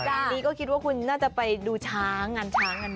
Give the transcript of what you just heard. ครั้งนี้ก็คิดว่าคุณน่าจะไปดูช้างานอยาก